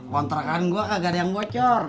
kontrakan gue agak yang bocor